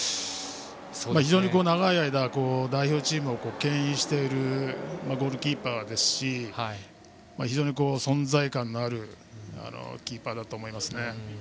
非常に長い間、代表チームをけん引しているゴールキーパーですし非常に存在感のあるキーパーだと思いますね。